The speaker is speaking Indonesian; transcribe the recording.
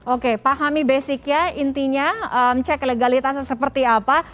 oke pahami basicnya intinya cek legalitasnya seperti apa